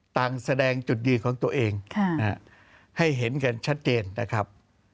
ต่างแสดงจุดยืนของตัวเองให้เห็นกันชัดเจนนะครับ